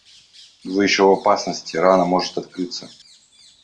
– Вы еще в опасности: рана может открыться.